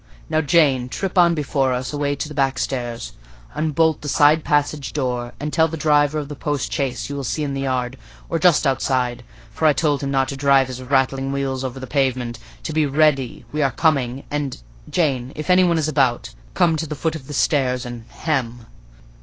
Now, Jane, trip on before us away to the backstairs; unbolt the side passage door, and tell the driver of the post chaise you will see in the yard—or just outside, for I told him not to drive his rattling wheels over the pavement—to be ready; we are coming: and, Jane, if any one is about, come to the foot of the stairs and hem."